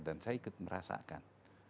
dan saya ikut merasakan